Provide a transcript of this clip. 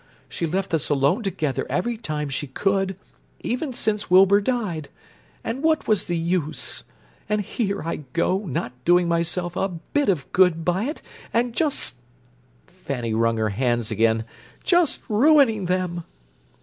She left us alone together every time she could—even since Wilbur died—but what was the use? And here I go, not doing myself a bit of good by it, and just"—Fanny wrung her hands again—"just ruining them!"